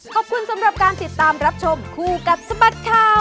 ขอบคุณสำหรับการติดตามรับชมคู่กับสบัดข่าว